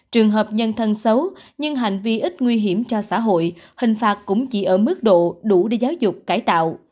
trường hợp nhân thân xấu nhưng hành vi ít nguy hiểm cho xã hội hình phạt cũng chỉ ở mức độ đủ để giáo dục cải tạo